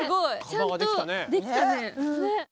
ちゃんとできたね。